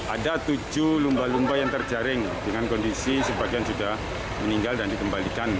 ada tujuh lumba lumba yang terjaring dengan kondisi sebagian sudah meninggal dan dikembalikan